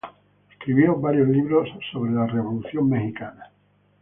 Escribió varios libros acerca de la Revolución mexicana.